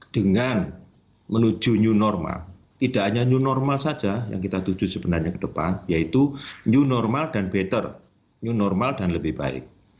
dengan menuju new normal tidak hanya new normal saja yang kita tuju sebenarnya ke depan yaitu new normal dan better new normal dan lebih baik